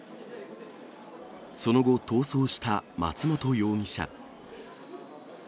その後、逃走した松本容疑者。